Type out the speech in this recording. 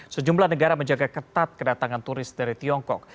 sejumlah negara menjaga ketat kedatangan turis dari tiongkok